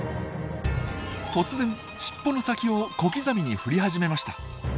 突然しっぽの先を小刻みに振り始めました。